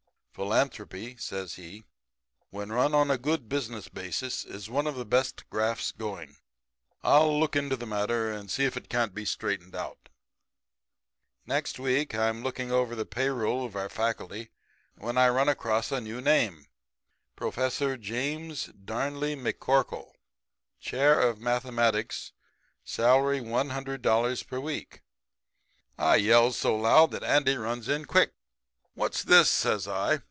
'Philanthropy,' says he, 'when run on a good business basis is one of the best grafts going. I'll look into the matter and see if it can't be straightened out.' "The next week I am looking over the payroll of our faculty when I run across a new name Professor James Darnley McCorkle, chair of mathematics; salary $100 per week. I yells so loud that Andy runs in quick. "'What's this,' says I.